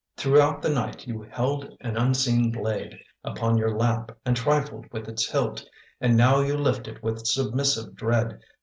Throughout the night you held an unseen blade Upon your lap and trifled with its hilt, And now you lift it with submissive dread.